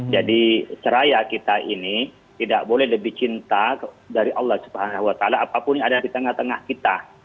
jadi seraya kita ini tidak boleh lebih cinta dari allah swt apapun yang ada di tengah tengah kita